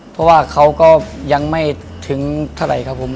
เพราะว่าเขาก็ยังไม่ถึงเท่าไหร่ครับผม